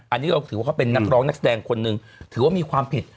อันนี้เราถือว่าเขาเป็นนักร้องนักแสดงคนหนึ่งถือว่ามีความผิด